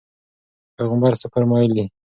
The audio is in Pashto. پیغمبر څه فرمایلي؟